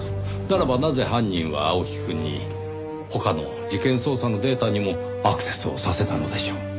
ならばなぜ犯人は青木くんに他の事件捜査のデータにもアクセスをさせたのでしょう？